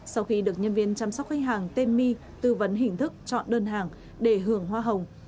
sau khi được nhân viên chăm sóc khách hàng tên my tư vấn hình thức chọn đơn hàng để hưởng hoa hồng